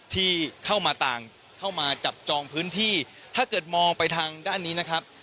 ที่เข้ามาต่างเข้ามาจับจองพื้นที่ถ้าเกิดมองไปทางด้านนี้นะครับ